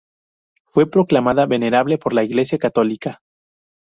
Fue proclamada venerable por la Iglesia católica.